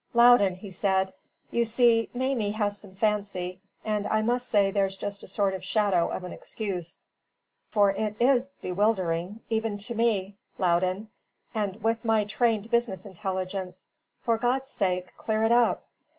"Loudon," he said, "you see Mamie has some fancy; and I must say there's just a sort of a shadow of an excuse; for it IS bewildering even to me, Loudon, with my trained business intelligence. For God's sake, clear it up."